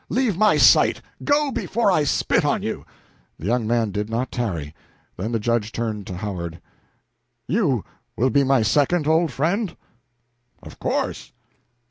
Leave my sight! Go before I spit on you!" The young man did not tarry. Then the Judge turned to Howard: "You will be my second, old friend?" "Of course."